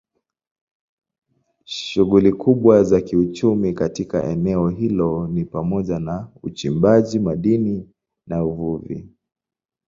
Shughuli kubwa za kiuchumi katika eneo hilo ni pamoja na uchimbaji madini na uvuvi.